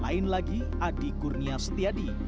lain lagi adi kurnia setiadi